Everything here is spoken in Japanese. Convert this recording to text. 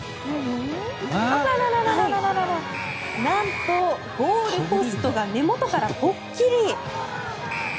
なんと、ゴールポストが根元からぽっきり。